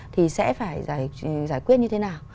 thì sẽ phải giải quyết như thế nào